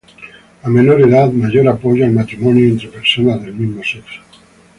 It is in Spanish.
A menor edad, mayor apoyo al matrimonio entre personas del mismo sexo.